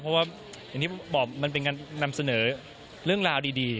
เพราะว่าอย่างที่บอกมันเป็นการนำเสนอเรื่องราวดี